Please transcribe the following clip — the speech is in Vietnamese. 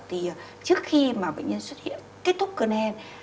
thì trước khi mà bệnh nhân xuất hiện kết thúc cơn hen